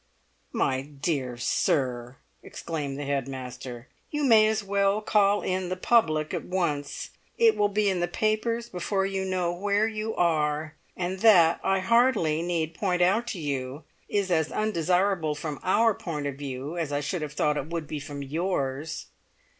"My dear sir," exclaimed the head master, "you may as well call in the public at once! It will be in the papers before you know where you are; and that, I need hardly point out to you, is as undesirable from our point of view as I should have thought it would be from yours."